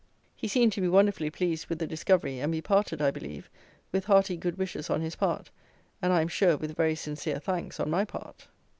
He seemed to be wonderfully pleased with the discovery; and we parted, I believe, with hearty good wishes on his part, and, I am sure, with very sincere thanks on my part.